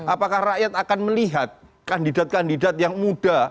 apakah rakyat akan melihat kandidat kandidat yang muda